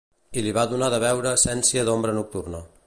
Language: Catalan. I li havia donar de beure essència d'ombra nocturna.